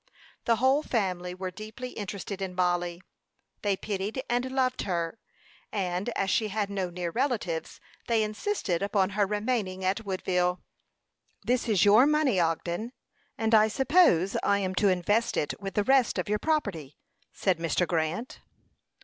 The whole family were deeply interested in Mollie; they pitied and loved her; and as she had no near relatives, they insisted upon her remaining at Woodville. "This is your money, Ogden, and I suppose I am to invest it with the rest of your property," said Mr. Grant.